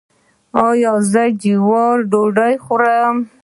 ایا زه د جوارو ډوډۍ وخورم؟